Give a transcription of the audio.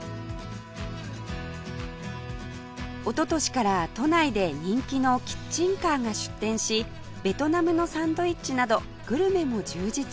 おととしから都内で人気のキッチンカーが出店しベトナムのサンドイッチなどグルメも充実